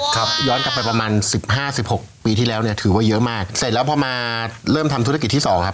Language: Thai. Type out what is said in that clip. ครับย้อนกลับไปประมาณสิบห้าสิบหกปีที่แล้วเนี่ยถือว่าเยอะมากเสร็จแล้วพอมาเริ่มทำธุรกิจที่สองครับ